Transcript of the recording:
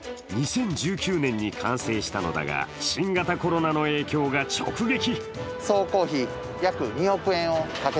２０１９年に完成したのだが、新型コロナの影響が直撃。